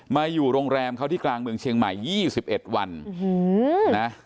มาอยู่โรงแรมเขาที่กลางเมืองเชียงใหม่๒๑วันนะ